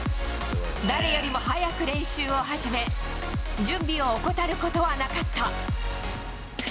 誰よりも早く練習を始め、準備を怠ることはなかった。